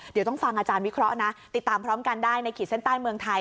เดี๋ยวต้องฟังอาจารย์วิเคราะห์นะติดตามพร้อมกันได้ในขีดเส้นใต้เมืองไทย